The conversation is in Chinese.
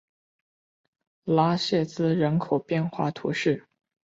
拉谢兹人口变化图示